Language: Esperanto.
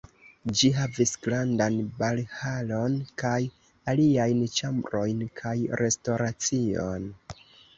Ĝi havis grandan balhalon kaj aliajn ĉambrojn kaj restoracion.